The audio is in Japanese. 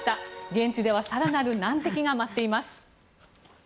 現地では更なる難敵が待っています。